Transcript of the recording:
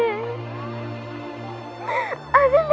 asri pulang ya bu